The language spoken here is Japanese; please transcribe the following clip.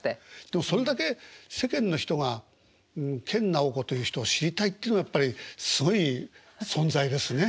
でもそれだけ世間の人が研ナオコという人を知りたいっていうのがやっぱりすごい存在ですね。